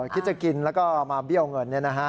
คิดจะกินแล้วก็มาเบี้ยวเงินนี่นะฮะ